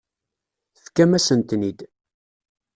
Tefkam-asen-ten-id.